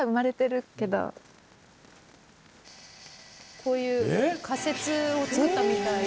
こういう仮設を造ったみたいで。